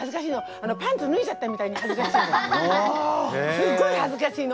すっごい恥ずかしいの。